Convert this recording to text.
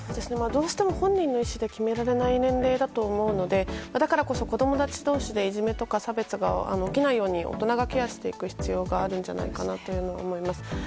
どうしても本人の意思で決められない年齢だと思うのでだからこそ、子供たち同士でいじめや差別が起きないように大人がケアしていく必要があるんじゃないかなと思います。